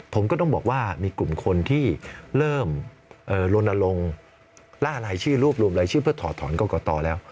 ผมก็ต้องบอกว่ามีกลุ่มคนที่เริ่มลนลงล่ารายชื่อรวบรวมรายชื่อเพื่อถอดถอนกรกตแล้ว